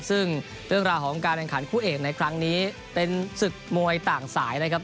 ซึ่งเรื่องราวของการแข่งขันคู่เอกในครั้งนี้เป็นศึกมวยต่างสายนะครับ